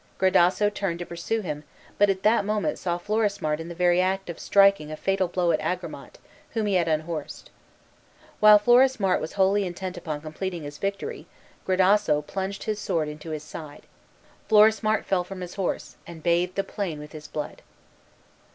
Gradasso turned to pursue him, but at that moment saw Florismart in the very act of striking a fatal blow at Agramant, whom he had unhorsed. While Florismart was wholly intent upon completing his victory, Gradasso plunged his sword into his side. Florismart fell from his horse, and bathed the plain with his blood.